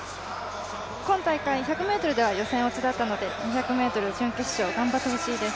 今大会１００ｍでは予選落ちだったので、２００ｍ準決勝頑張ってほしいです。